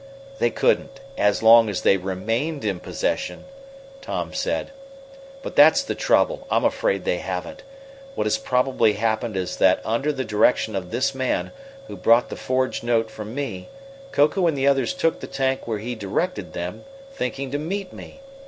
"They couldn't as long as they remained in possession," Tom said. "But that's the trouble. I'm afraid they haven't. What has probably happened is that under the direction of this man, who brought the forged note from me, Koku and the others took the tank where he directed them, thinking to meet me.